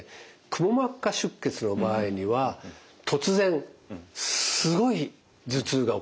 くも膜下出血の場合には突然すごい頭痛が起こると。